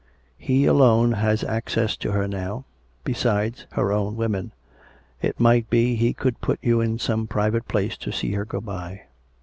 He alone has access to her now, besides her own women. It might be he could put you in some private place to see her go by."